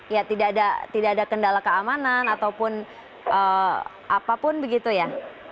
ya tidak ada kendala keamanan ataupun apapun begitu ya